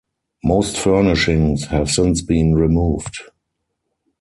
Most furnishings have since been removed.